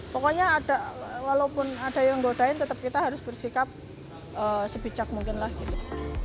pokoknya ada walaupun ada yang godain tetap kita harus bersikap sebijak mungkin lah gitu